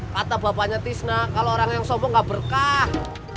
kata bapaknya tisna kalau orang yang sombong gak berkah